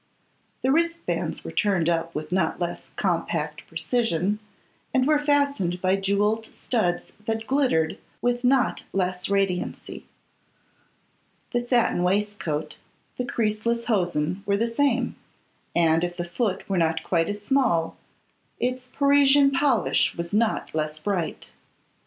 The wristbands were turned up with not less compact precision, and were fastened by jewelled studs that glittered with not less radiancy. The satin waistcoat, the creaseless hosen, were the same; and if the foot were not quite as small, its Parisian polish was not less bright.